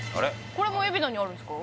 これも海老名にあるんですか？